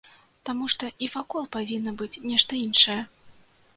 Таму што і вакол павінна быць нешта іншае.